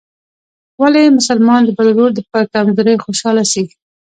ولي مسلمان د بل ورور په کمزورۍ خوشحاله سي؟